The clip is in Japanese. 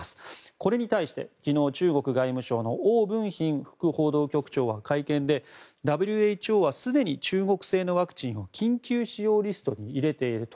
これに対して昨日、中国外務省のオウ・ブンヒン副報道局長は会見で、ＷＨＯはすでに中国製のワクチンを緊急使用リストに入れていると。